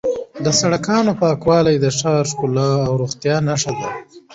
د سړکونو پاکوالی د ښار ښکلا او روغتیا نښه ده.